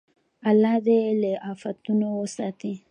الله دې له افتونو وساتي.